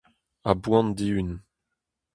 A-boan dihun.